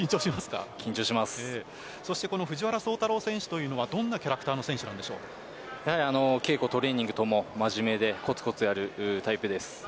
この藤原崇太郎選手というのはどうなキャラクターの稽古、トレーニングとも真面目でコツコツやるタイプです。